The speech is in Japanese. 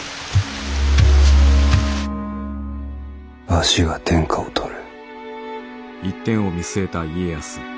わしが天下を取る。